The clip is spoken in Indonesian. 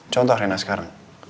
contoh reina sekarang